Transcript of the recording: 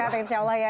sehat insya allah ya